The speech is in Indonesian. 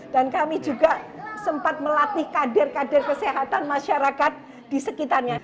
dan kami juga sempat melatih kadir kadir kesehatan masyarakat di sekitarnya